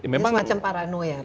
memang macam paranoia